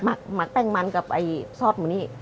หมักหมักแป้งมันกับไอ้ซอสเหมือนนี้